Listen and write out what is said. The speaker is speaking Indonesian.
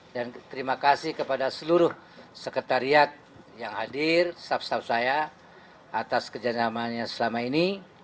dan terima kasih kepada seluruh sekretariat yang hadir staff staff saya atas kerjasamanya selama ini